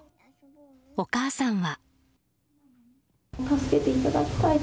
お母さんは。